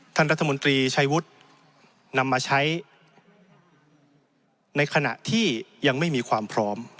ท่านรัฐมนตรีชัยวุฒินำมาใช้ในขณะที่ยังไม่มีความพร้อม